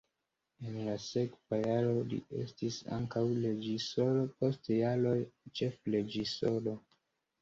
En la sekva jaro li estis ankaŭ reĝisoro, post jaroj ĉefreĝisoro.